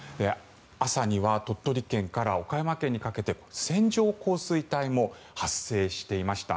朝には鳥取県から岡山県にかけて線状降水帯も発生していました。